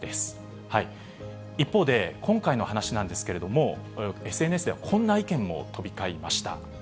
一方で今回の話なんですけれども、ＳＮＳではこんな意見も飛び交いました。